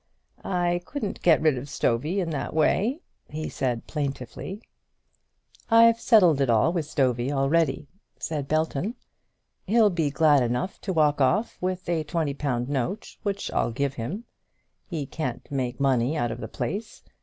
"I couldn't get rid of Stovey in that way," he said, plaintively. "I've settled it all with Stovey already," said Belton. "He'll be glad enough to walk off with a twenty pound note, which I'll give him. He can't make money out of the place.